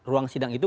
ruang sidang itu